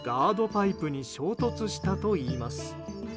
パイプに衝突したといいます。